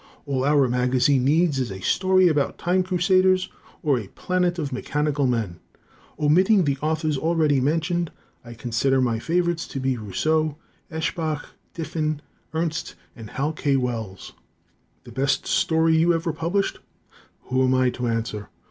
All our magazine needs is a story about time crusaders, or a planet of mechanical men. Omitting the authors already mentioned, I considered my favorites to be Rousseau, Eshbach, Diffin, Ernst, and Hal K. Wells. The best story you ever published? Who am I to answer?